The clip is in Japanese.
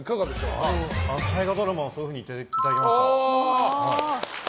あの大河ドラマはそういうふうに言っていただきました。